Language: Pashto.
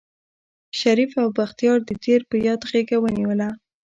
شريف او بختيار د تېر په ياد غېږه ونيوله.